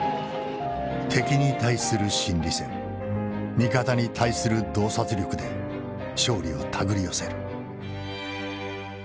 敵に対する心理戦味方に対する洞察力で勝利を手繰り寄せる。